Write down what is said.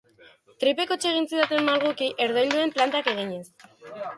Tripek hots egin zidaten malguki herdoilduen plantak eginez.